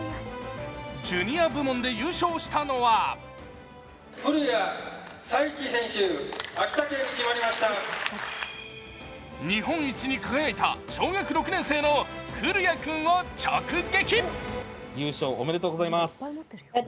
ジュニア部門で優勝したのは日本一に輝いた小学６年生の降矢君を直撃。